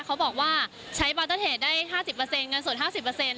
เขาบอกว่าใช้บาร์เตอร์เทจได้ห้าสิบเปอร์เซ็นต์เงินสดห้าสิบเปอร์เซ็นต์